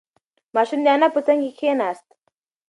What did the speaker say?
ماشوم د انا په څنگ کې کېناست.